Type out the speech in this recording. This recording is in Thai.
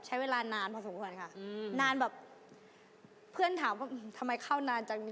ใช้เวลานานพอสมควรค่ะอืมนานแบบเพื่อนถามว่าทำไมเข้านานจัง